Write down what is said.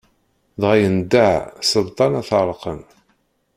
Dɣa yendeh Selṭan ad t-ɛelqen.